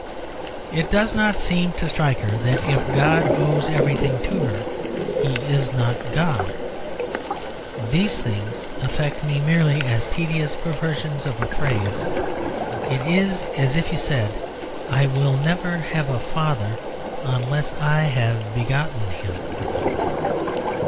It does not seem to strike her that if God owes everything to her He is not God. These things affect me merely as tedious perversions of a phrase. It is as if you said, "I will never have a father unless I have begotten him."